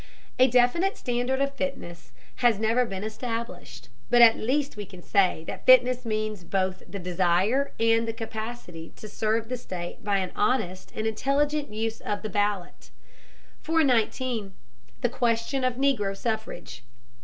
A definite standard of fitness has never been established, but at least we can say that fitness means both the desire and the capacity to serve the state by an honest and intelligent use of the ballot. 419. THE QUESTION OF NEGRO SUFFRAGE.